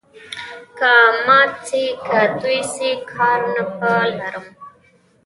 که مات سي که توی سي، کار نه په لرم.